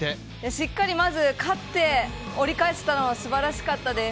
しっかりまず勝って折り返したのは素晴らしかったです。